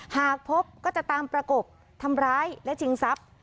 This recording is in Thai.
หากพบก็จะตามประกบทำร้ายและชิงทรัพย์